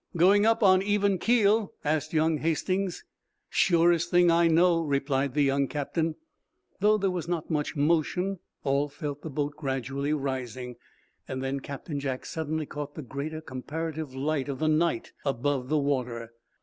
"Going up on even keel!" asked young Hastings. "Surest thing I know," replied the young captain. Though there was not much motion, all felt the boat gradually rising. Then Captain Jack suddenly caught the greater comparative light of the night above the water.